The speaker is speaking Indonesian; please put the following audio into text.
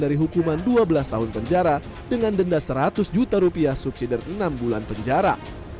dari hukuman dua belas tahun penjara dengan denda seratus juta rupiah subsidi dari enam bulan penjara